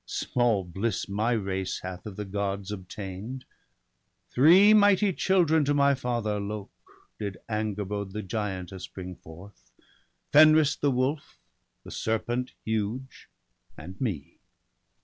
Small bliss my race hath of the Gods obtain'd. i6o BALDER DEAD. Three mighty children to my father Lok Did Angerbode, the giantess, bring forth — Fenris the wolf, the serpent huge, and me.